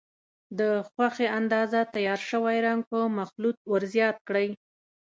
د خوښې اندازه تیار شوی رنګ په مخلوط ور زیات کړئ.